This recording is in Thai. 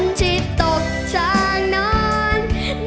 ฝนชิดตกจากนั้น